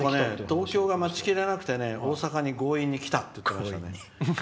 東京が待ちきれなくて大阪に強引に来たって言ってましたね。